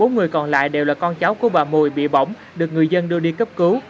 sáu người còn lại đều là con cháu của bà mùi bị bỏng được người dân đưa đi cấp cứu